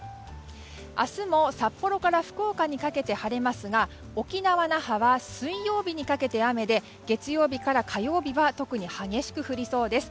明日も札幌から福岡にかけて晴れますが沖縄は水曜日にかけて雨で特に激しく降りそうです。